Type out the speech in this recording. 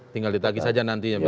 tinggal ditagi saja nantinya